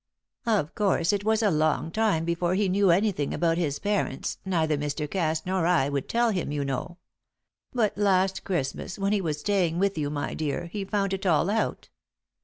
"Of course, it was a long time before he knew anything about his parents neither Mr. Cass nor I would tell him, you know. But last Christmas, when he was staying with you, my dear, he found it all out."